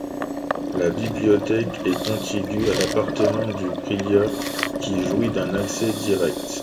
La bibliothèque est contigüe à l'appartement du prieur qui jouit d'un accès direct.